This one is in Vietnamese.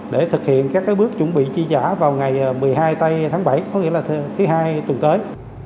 để thực hiện các bước chuẩn bị chi giả vào ngày một mươi hai tháng bảy có nghĩa là thứ hai tuần tới